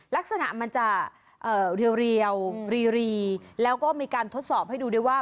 ลักษณะมันจะเอ่อเรียวเรียวเรียวแล้วก็มีการทดสอบให้ดูด้วยว่า